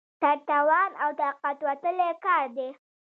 تر توان او طاقت وتلی کار دی.